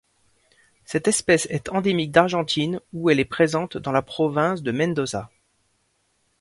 Cette espèce est endémique d'Argentine où elle est présente dans la province de Mendoza.